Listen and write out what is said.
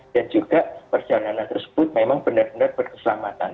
dan juga perjalanan tersebut memang benar benar berkeselamatan